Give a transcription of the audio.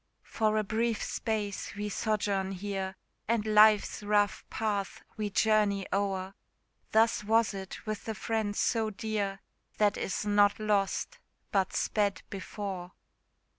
For a brief space we sojourn here, And life's rough path we journey o'er; Thus was it with the friend so dear, That is not lost, but sped before.